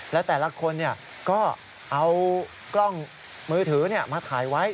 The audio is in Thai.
และแต่ละคนก็เอากล้องมือถือมาถ่ายไว้